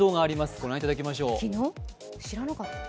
ご覧いただきましょう。